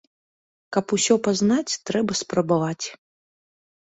Каб усё пазнаць, трэба спрабаваць.